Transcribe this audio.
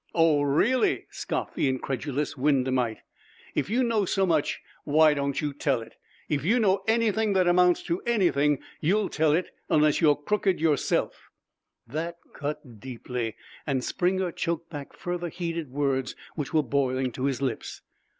"Oh, really!" scoffed the incredulous Wyndhamite. "If you know so much, why don't you tell it? If you know anything that amounts to anything, you'll tell it unless you're crooked yourself." That cut deeply, and Springer choked back further heated words which were boiling to his lips.